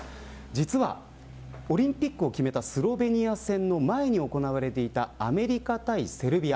オリンピックを決めたスロベニア戦の前に行われたアメリカ対セルビア。